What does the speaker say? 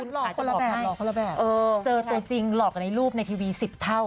หลอกคนละแบบหลอกคนละแบบเจอตัวจริงหลอกกันในรูปในทีวี๑๐เท่า